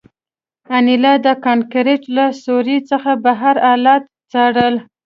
انیلا د کانکریټ له سوریو څخه بهر حالات څارل